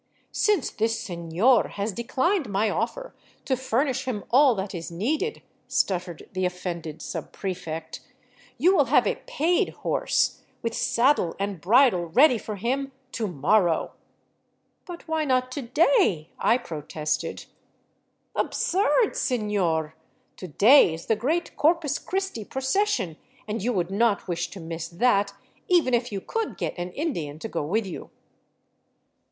" Since this sefior has declined my ofi'er to furnish him all that is needed," stuttered the offended subprefect, " you will have a paid horse, with saddle and bridle, ready for him — to morrow." " But why not to day ?" I protested. " Absurd, sefior ! To day is the great Corpus Cristi procession and 292 DRAWBACKS OF THE TRAIL you would not wish to miss that, even if you could get an Indian to go dth you."